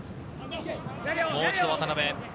もう一度、渡辺。